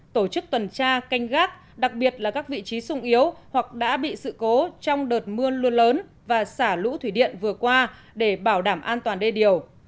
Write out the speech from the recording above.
tổ chức tuần tra canh gác đặc biệt là các vị trí sung yếu hoặc đã bị sự cố trong đợt mưa luôn lớn và xả lũ thủy điện vừa qua để bảo đảm an toàn đê điều